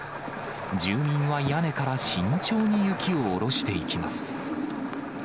住民は屋根から慎重に雪を下ろしていきます。